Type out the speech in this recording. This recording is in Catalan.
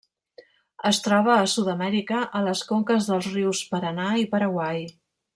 Es troba a Sud-amèrica, a les conques dels rius Paranà i Paraguai.